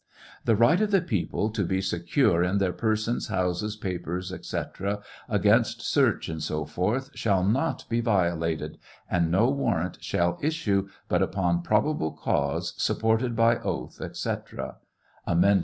"The right of the people to be secure in their persons, houses, papers, &c, against search, &c., shall not be violated ; and no warrant shall issue, but npoi probable cause, supported by oath, &c;" (Amend.